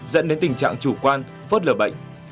dẫn đến tình trạng chủ quan phớt lờ bệnh